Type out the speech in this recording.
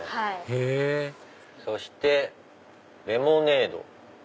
へぇそしてレモネード。